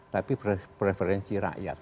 tapi preferensi rakyat